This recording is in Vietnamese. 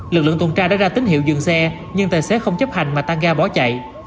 lực lượng tuần tra đã ra tín hiệu dừng xe nhưng tài xế không chấp hành mà tăng ga bỏ chạy